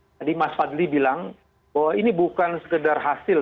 tadi mas fadli bilang bahwa ini bukan sekedar hasil